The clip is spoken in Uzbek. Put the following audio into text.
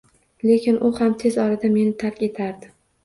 Lekin u ham tez orada meni tark etardi